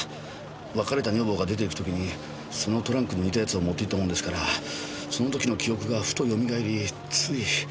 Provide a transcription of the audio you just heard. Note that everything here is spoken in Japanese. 別れた女房が出て行く時にそのトランクに似たやつを持っていったものですからその時の記憶がふとよみがえりつい。